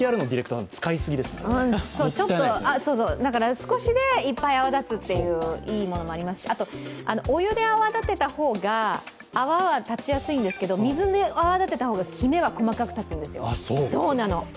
少しでいっぱい泡立つといういいものもありますし、あと、お湯で泡立てた方が泡は立ちやすいんですけど水で泡立てた方がきめが細かく立つんですよ。